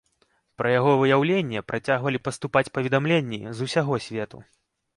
Пра яго выяўленне працягвалі паступаць паведамленні з усяго свету.